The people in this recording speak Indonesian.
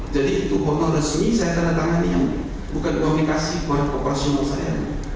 jadi itu honor resmi saya tanda tangan ini bukan komikasi buat operasi umur saya